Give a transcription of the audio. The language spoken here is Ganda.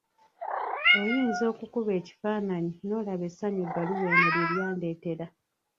Oyinza okukuba ekifaananyi n'olaba essanyu ebbaluwa eno lye yandeetera.